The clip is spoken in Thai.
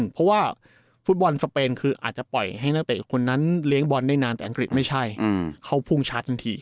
เพราะว่าฟุตบอลสเปนคืออาจจะปล่อยให้นักเตะคนนั้นเลี้ยงบอลได้นานแต่อังกฤษไม่ใช่เขาพุ่งชัดทันที